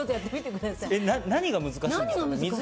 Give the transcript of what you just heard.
何が難しいんですか？